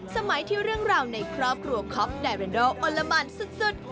สมัยที่เรื่องราวในครอบครัวครอบไนรันดอลโอลมันสุด